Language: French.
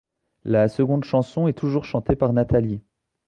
La seconde chanson est toujours chantée par Nathalie.